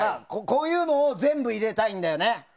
こういうのを全部入れたいんだよね。